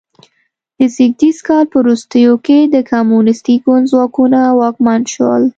د ز کال په وروستیو کې د کمونیستي ګوند ځواکونه واکمن شول.